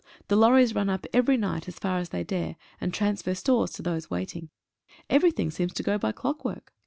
The lorries run up every night as far as they dare, and transfer stores to those waiting. Every thing seems to go by clockwork.